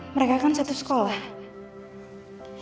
mereka kan satu sekolah